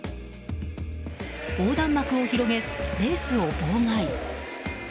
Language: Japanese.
横断幕を広げ、レースを妨害。